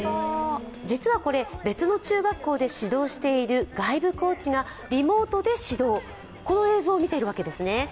実はこれ、別の中学校で指導している外部コーチがリモートで指導、この映像を見ているわけですね。